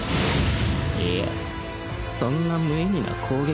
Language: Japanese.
いやそんな無意味な攻撃